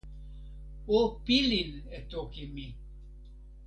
o pilin e toki mi.